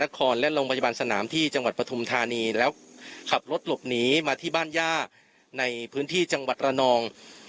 ขับรถหลบหนีมาที่บ้านย่าในพื้นที่จังหวัดระนอง